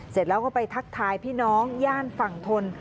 เสร็จแล้วก็ไปทักทายพี่น้องย่านฝั่งทน